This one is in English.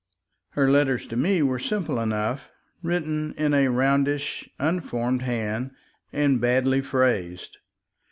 Her letters to me were simple enough, written in a roundish, unformed hand and badly phrased.